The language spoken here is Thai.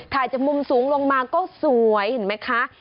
จากมุมสูงลงมาก็สวยเห็นไหมคะ